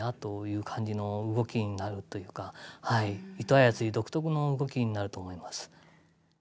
あやつり独特の動きになると思います。